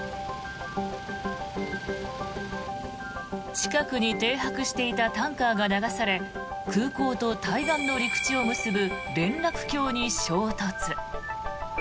近くに停泊していたタンカーが流され空港と対岸の陸地を結ぶ連絡橋に衝突。